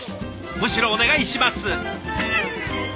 むしろお願いします！